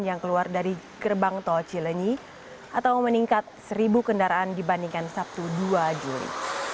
yang keluar dari gerbang tol cilenyi atau meningkat seribu kendaraan dibandingkan sabtu dua juli